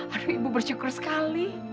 aduh ibu bersyukur sekali